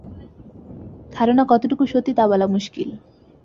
ধারণা কতটুক সত্যি তা বলা মুশকিল।